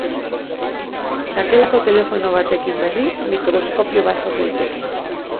Sakelako telefono batekin, berriz, mikroskopio bat sor liteke.